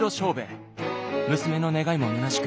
娘の願いもむなしく